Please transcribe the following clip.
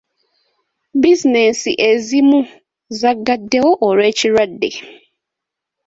Bizinensi ezimu zagaddewo olw'ekirwadde.